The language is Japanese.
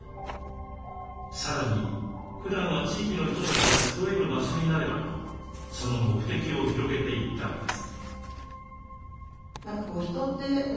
さらにふだんは地域の人たちが集える場所になればとその目的を広げていったのです。